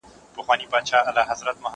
زه هره ورځ ليکنې کوم؟